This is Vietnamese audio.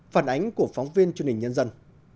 phản ánh của phóng viên chương trình nhân dân